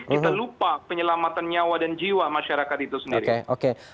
kita lupa penyelamatan nyawa dan jiwa masyarakat itu sendiri